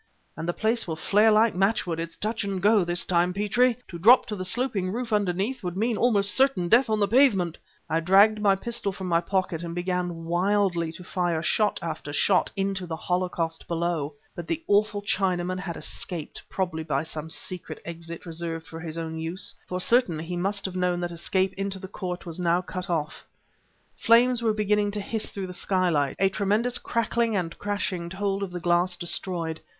"And the place will flare like matchwood! It's touch and go this time, Petrie! To drop to the sloping roof underneath would mean almost certain death on the pavement...." I dragged my pistol from my pocket and began wildly to fire shot after shot into the holocaust below. But the awful Chinaman had escaped probably by some secret exit reserved for his own use; for certainly he must have known that escape into the court was now cut off. Flames were beginning to hiss through the skylight. A tremendous crackling and crashing told of the glass destroyed.